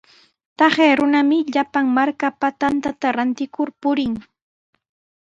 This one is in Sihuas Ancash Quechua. Taqay runami llapan markapa tantata rantikur purin.